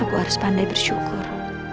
aku harus pandai bersyukur